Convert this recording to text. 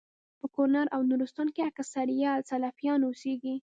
په کونړ او نورستان کي اکثريت سلفيان اوسيږي